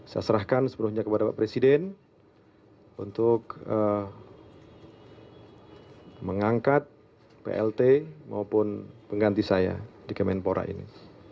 saya serahkan sepenuhnya kepada pak presiden untuk mengangkat plt maupun pengganti saya di kemenpora ini